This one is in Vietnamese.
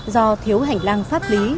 do thiếu hành lang pháp lý